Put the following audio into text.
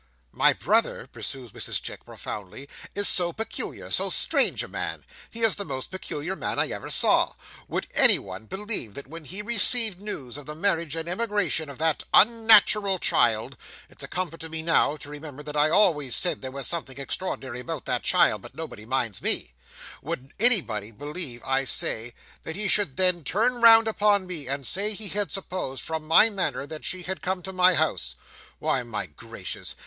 "My brother," pursues Mrs Chick profoundly, "is so peculiar—so strange a man. He is the most peculiar man I ever saw. Would anyone believe that when he received news of the marriage and emigration of that unnatural child—it's a comfort to me, now, to remember that I always said there was something extraordinary about that child: but nobody minds me—would anybody believe, I say, that he should then turn round upon me and say he had supposed, from my manner, that she had come to my house? Why, my gracious!